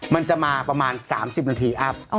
มันจะมาประมาณ๓๐นาทีอัพ